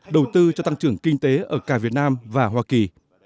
đầu tư cho tăng trưởng kinh tế ở cả việt nam và hoa kỳ